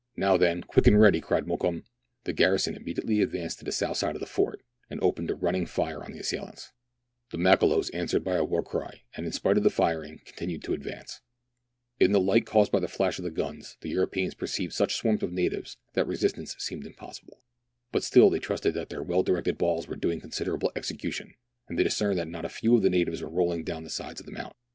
"Now then, quick and ready!" cried Mokoum. The garrison immediately advanced to the south side of the fort, and opened a running fire on the assailants. The Watcliing for the Signal from Mount Volquifia. — [Page 204.] THREE ENGLISHMEN AND THREE RUSSIANS. 205 Makololos answered by a war cry, and, in spite of the firing, continued to advance. In the light caused by the flash of the guns, the Europeans perceived such swarms of natives that resistance seemed impossible. But still they trusted that their well directed balls were doing considerable execution, and they discerned that not a few of the natives were rolling down the sides of the mountam.